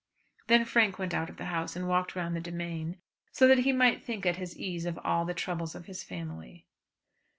Then Frank went out of the house and walked round the demesne, so that he might think at his ease of all the troubles of his family.